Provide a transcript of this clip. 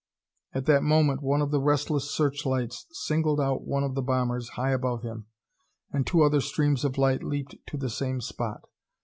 At that moment one of the restless searchlights singled out one of the bombers, high above him, and two other streams of light leaped to the same spot.